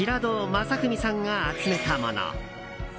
正史さんが集めたもの。